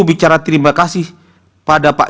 bicara terima kasih pada pak